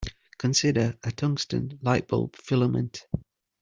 Consider a tungsten light-bulb filament.